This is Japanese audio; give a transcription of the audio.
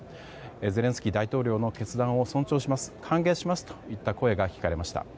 ゼレンスキー大統領の決断を尊重します、歓迎しますといった声が聞かれました。